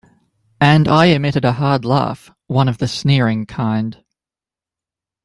And I emitted a hard laugh — one of the sneering kind.